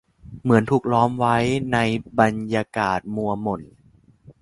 เหมือนถูกล้อมไว้ในบรรยากาศมัวหม่น